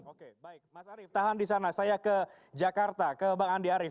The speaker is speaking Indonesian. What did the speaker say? oke baik mas arief tahan di sana saya ke jakarta ke bang andi arief